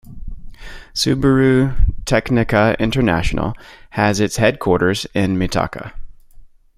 Subaru Tecnica International has its headquarters in Mitaka.